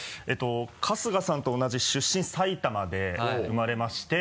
春日さんと同じ出身埼玉で生まれまして。